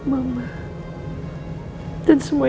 dan semoga kamu bisa mencari jalan keluar bersama